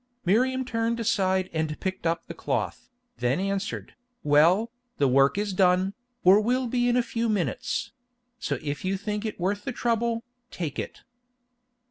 Miriam turned aside and picked up the cloth, then answered, "Well, the work is done, or will be in a few minutes; so if you think it worth the trouble, take it."